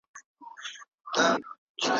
که میز وي نو ملا نه خوږیږي.